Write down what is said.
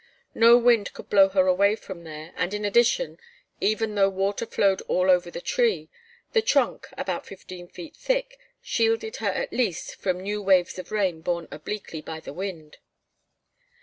No wind could blow her away from there and in addition, even although water flowed all over the tree, the trunk, about fifteen feet thick, shielded her at least from new waves of rain borne obliquely by the wind.